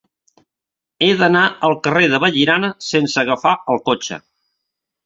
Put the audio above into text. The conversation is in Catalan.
He d'anar al carrer de Vallirana sense agafar el cotxe.